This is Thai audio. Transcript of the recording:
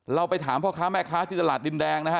เราไปถามพ่อค้าแม่ค้าที่ตลาดดินแดงนะฮะ